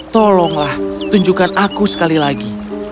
tolonglah tunjukkan aku sekali lagi